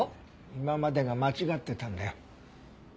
今までが間違ってたんだよ。